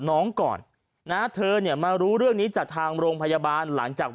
ก่อนนะเธอเนี่ยมารู้เรื่องนี้จากทางโรงพยาบาลหลังจาก